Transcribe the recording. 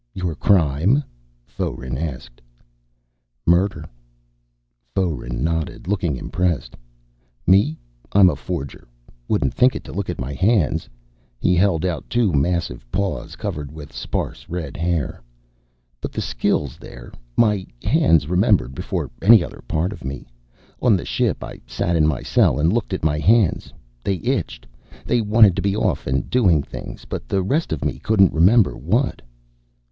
"Your crime?" Foeren asked. "Murder." Foeren nodded, looking impressed. "Me, I'm a forger. Wouldn't think it to look at my hands." He held out two massive paws covered with sparse red hair. "But the skill's there. My hands remembered before any other part of me. On the ship I sat in my cell and looked at my hands. They itched. They wanted to be off and doing things. But the rest of me couldn't remember what."